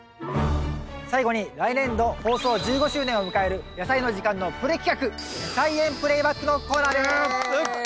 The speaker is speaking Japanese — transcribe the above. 最後に来年度放送１５周年を迎える「やさいの時間」のプレ企画「菜園プレイバック」のコーナーです。